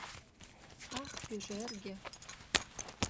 Ах, пижерге!